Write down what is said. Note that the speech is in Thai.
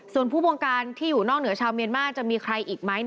ส่วนผู้บงการที่อยู่นอกเหนือชาวเมียนมาร์จะมีใครอีกไหม